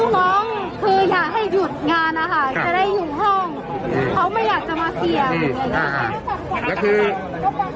คือลูกน้องคืออยากให้หยุดงานนะคะ